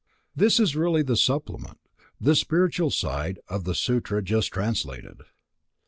This is really the supplement, the spiritual side, of the Sutra just translated.